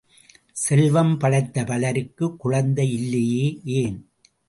செல்வம் படைத்த பலருக்குக் குழந்தை இல்லையே ஏன்?